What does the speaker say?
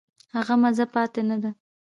هغه مزه پاتې نه ده.